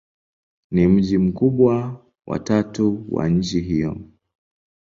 Ni mji mkubwa wa tatu wa nchi hiyo.